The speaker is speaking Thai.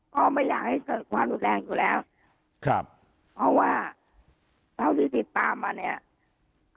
ก็ไม่อยากให้เกิดความรุนแรงอยู่แล้วครับเพราะว่าเท่าที่ติดตามมาเนี่ย